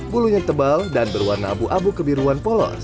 bulunya tebal dan berwarna abu abu kebiruan polos